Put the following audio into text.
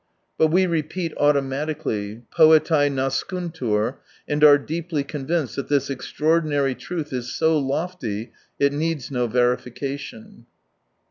But we repeat auto matically : poetae nascuntur, and are deeply convinced that this extraordinary truth is so lofty it needs no verification.